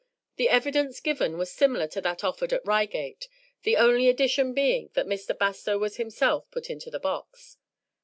The evidence given was similar to that offered at Reigate, the only addition being that Mr. Bastow was himself put into the box.